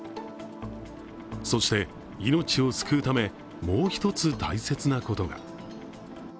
そして命を救うためもう一つ大切なことが。